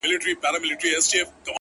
د آتشي غرو د سکروټو د لاوا لوري ـ